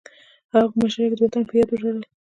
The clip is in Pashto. هغه په مشاعره کې د وطن په یاد وژړل